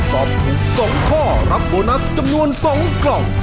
ตอบถูก๒ข้อรับโบนัสจำนวน๒กล่อง